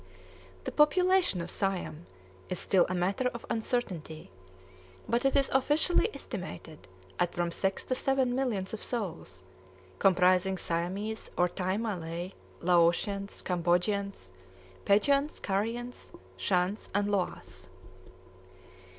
The population of Siam is still a matter of uncertainty; but it is officially estimated at from six to seven millions of souls, comprising Siamese or Thai Malay, Laotians, Cambodians, Peguans, Kariens, Shans, and Loas.